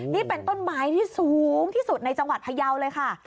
นี่เป็นต้นไม้ที่สูงที่สุดในจังหวัดพยาวเลยค่ะ